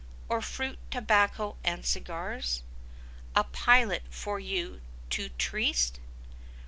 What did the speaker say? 70 Or fruit, tobacco and cigars? A pilot for you to Triest?